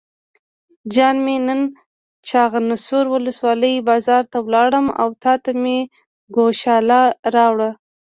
جان مې نن چخانسور ولسوالۍ بازار ته لاړم او تاته مې ګوښال راوړل.